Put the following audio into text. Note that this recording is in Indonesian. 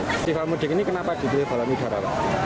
festival mude ini kenapa ditulis balon udara